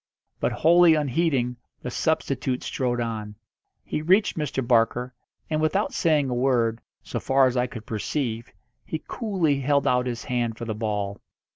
But, wholly unheeding, the substitute strode on. He reached Mr. Barker, and, without saying a word, so far as I could perceive, he coolly held out his hand for the ball.